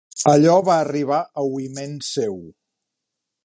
Allò va arribar a oïment seu.